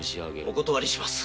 お断りします。